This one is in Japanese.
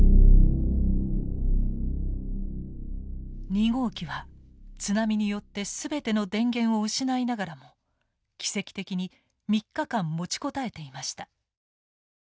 ２号機は津波によって全ての電源を失いながらも奇跡的に３日間持ちこたえていました。